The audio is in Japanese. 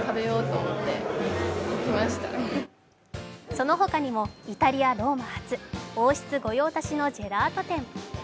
その他にもイタリア・ローマ発王室御用達のジェラート店。